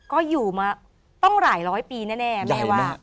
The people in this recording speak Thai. ก็อยู่มาต้องหลายร้อยปีแน่แม่ว่า